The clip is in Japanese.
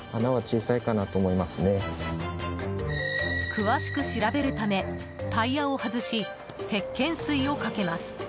詳しく調べるためタイヤを外しせっけん水をかけます。